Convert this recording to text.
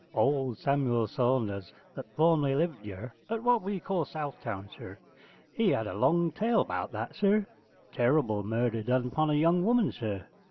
Old Samuel Saunders, that formerly lived yurr at what we call South town, sir, he had a long tale 'bout that, sir: terrible murder done 'pon a young woman, sir.